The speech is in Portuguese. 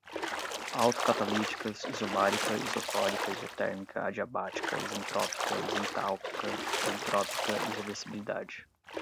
autocatalíticas, isobárica, isocórica, isotérmica, adiabática, isentrópica, isentálpica, politrópica, irreversibilidade